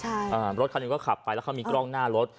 รถเขาดินแล้วก็ขับไปเขามีกล้องหน้ารถ